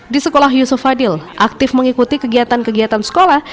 di sekolah yusuf fadil aktif mengikuti kegiatan kegiatan sekolah